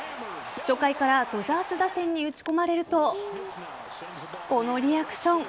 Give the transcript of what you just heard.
初回からドジャース打線に打ち込まれるとこのリアクション。